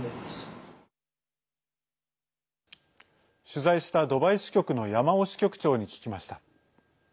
取材したドバイ支局の山尾支局長に聞きました。